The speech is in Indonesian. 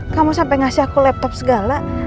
kamu sampai ngasih aku laptop segala